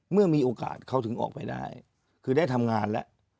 เมื่อมีโอกาสเขาถึงออกไปได้คือได้ทำงานแล้ว